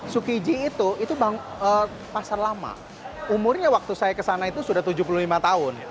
sukiji itu pasar lama umurnya waktu saya kesana itu sudah tujuh puluh lima tahun